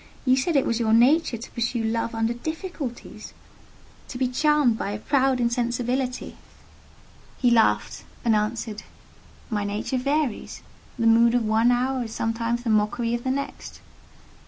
you said it was your nature to pursue Love under difficulties—to be charmed by a proud insensibility!". He laughed, and answered, "My nature varies: the mood of one hour is sometimes the mockery of the next.